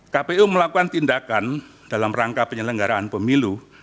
kpu melakukan tindakan dalam rangka penyelenggaraan pemilu